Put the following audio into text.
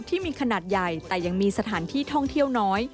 ที่มีขนาดใหญ่แต่ยังมีสถานที่ท่องเที่ยวน้อย